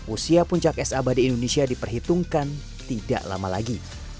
usia puncak es abadi indonesia diperhitungkan tidak lama lagi